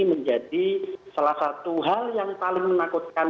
menjadi salah satu hal yang paling menakutkan